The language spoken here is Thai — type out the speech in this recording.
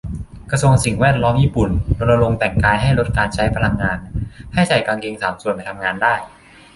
กระทรวงสิ่งแวดล้อมญี่ปุ่น รณรงค์แต่งกายให้ลดการใช้พลังงาน ให้ใส่กางสามส่วนไปทำงานได้